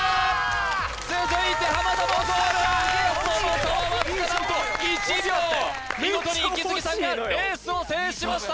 続いて田もゴールその差はわずかなんと１秒見事にイキスギさんがレースを制しました